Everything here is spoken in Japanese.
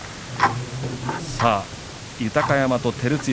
豊山と照強。